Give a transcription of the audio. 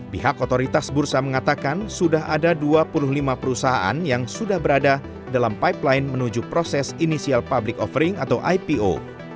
pihak otoritas bursa mengatakan sudah ada dua puluh lima perusahaan yang sudah berada dalam pipeline menuju proses initial public offering atau ipo